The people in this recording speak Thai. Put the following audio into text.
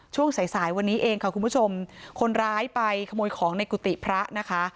ช่วงสายสายวันนี้เองค่ะคุณผู้ชมคนร้ายไปขโมยของในกุฏิพระนะคะ